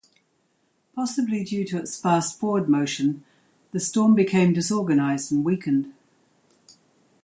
Possibly due to its fast forward motion, the storm became disorganized and weakened.